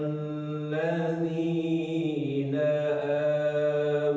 apa yang kita lakukan